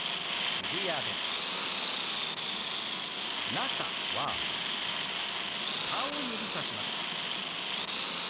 「中」は下を指さします。